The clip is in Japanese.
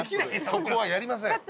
そこはやりません。